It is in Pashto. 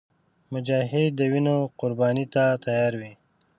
مجاهد د وینو قرباني ته تیار وي.